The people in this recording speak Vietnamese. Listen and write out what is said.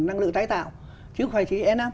năng lượng tái tạo chứ không phải chỉ e năm